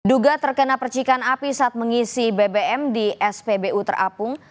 duga terkena percikan api saat mengisi bbm di spbu terapung